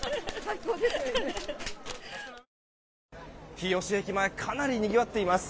日吉駅前かなりにぎわっています。